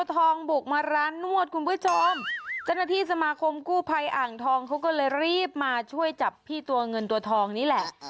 บุกมาร้านนวดคุณผู้ชมเจ้าหน้าที่สมาคมกู้ภัยอ่างทองเขาก็เลยรีบมาช่วยจับพี่ตัวเงินตัวทองนี่แหละ